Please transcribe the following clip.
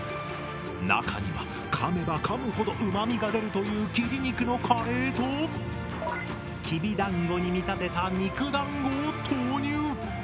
中にはかめばかむほどうまみが出るというきじ肉のカレーときびだんごに見立てた肉だんごを投入！